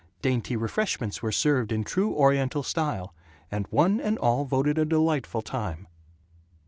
Dainty refreshments were served in true Oriental style, and one and all voted a delightful time.